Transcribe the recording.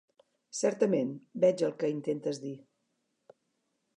Certament, veig el que intentes dir.